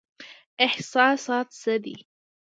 احساسات څه دي؟